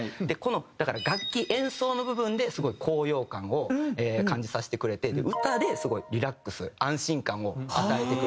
だから楽器演奏の部分ですごい高揚感を感じさせてくれて歌ですごいリラックス安心感を与えてくれる。